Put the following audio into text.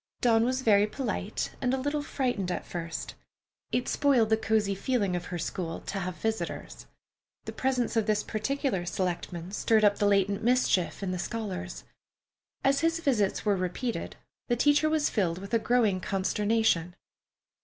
Dawn was very polite and a little frightened at first. It spoiled the cosy feeling of her school to have visitors. The presence of this particular selectman stirred up the latent mischief in the scholars. As his visits were repeated, the teacher was filled with a growing consternation.